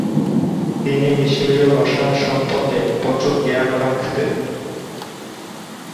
তিনি মিশরীয় রসায়ন সম্পর্কে প্রচুর জ্ঞান রাখতেন।